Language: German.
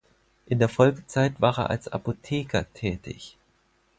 In der Folgezeit war er als Apotheker tätig.